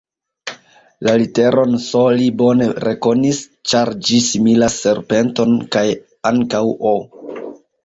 La literon S li bone rekonis, ĉar ĝi similas serpenton, kaj ankaŭ O.